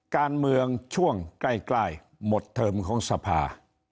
การเมืองช่วงใกล้หมดเทอมของสภา